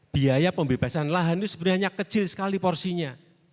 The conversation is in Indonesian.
biaya pembebasan lahan itu sebenarnya kecil sekali porsinya